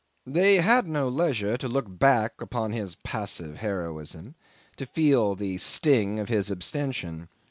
They had no leisure to look back upon his passive heroism, to feel the sting of his abstention.